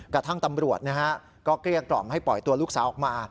กระทั่งตำรวจก็เกลี้ยกล่อมให้ปล่อยตัวลูกสาวออกมา